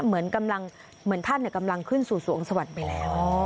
เหมือนท่านกำลังขึ้นสู่สวงสวรรค์ไปแล้ว